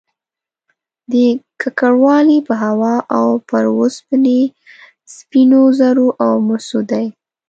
دا ککړوالی په هوا او پر اوسپنې، سپینو زرو او مسو دی